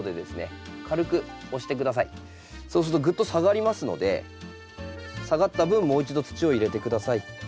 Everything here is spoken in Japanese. そうするとぐっと下がりますので下がった分もう一度土を入れて下さい。